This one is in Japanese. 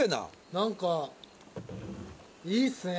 何かいいですね。